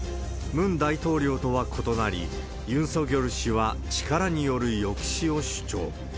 ムン大統領とは異なり、ユン・ソギョル氏は力による抑止を主張。